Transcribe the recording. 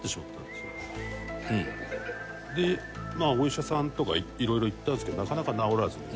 でお医者さんとかいろいろ行ったんですけどなかなか治らずに。